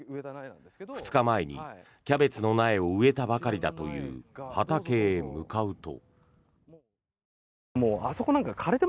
２日前にキャベツの苗を植えたばかりだという畑へ向かうと。